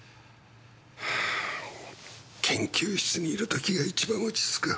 はぁ研究室にいる時が一番落ち着く。